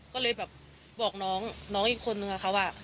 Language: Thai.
ก็เลยแบบบอกน้องน้องอีกคนนึงค่ะว่า